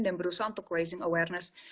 dan berusaha untuk raising awareness